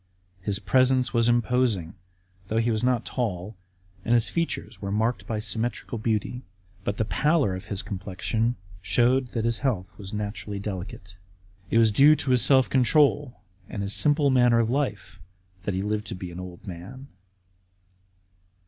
His presence was imposing, though he was not tall, and his features were marked by symmetrical beauty ; but the pallor of his complexion showed that his health was naturally delicate. It was due to his self control and his simple manner of life that he lived to be an old man.